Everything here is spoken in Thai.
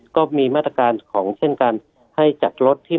ก็มีมาตรการของเช่นการให้จัดรถที่